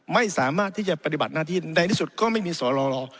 ไม่สามารถที่จะปฏิบัติหน้าที่ในที่สุดก็ไม่มีสอรอ